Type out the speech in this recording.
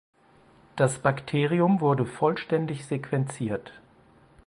Das Bakterium wurde vollständig sequenziert.